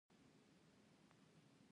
پیرودونکی تل د ریښتیني چلند قدر کوي.